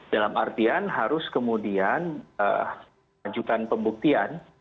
dalam artian harus kemudian ajukan pembuktian